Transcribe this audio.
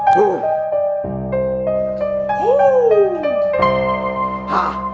para pemain somni